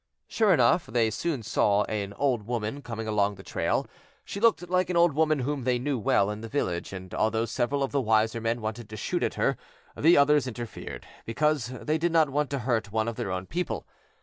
Sure enough they soon saw an old woman coming along the trail. She looked like an old woman whom they knew well in the village, and although several of the wiser men wanted to shoot at her, the others interfered, because they did not want to hurt one of their own people.